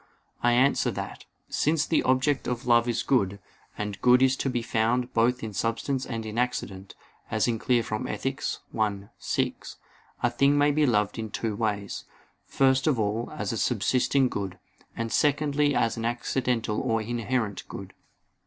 I answer that, Since the object of love is good, and good is to be found both in substance and in accident, as is clear from Ethic. i, 6, a thing may be loved in two ways; first of all as a subsisting good; and secondly as an accidental or inherent good.